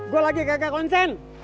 gua lagi kagak konsen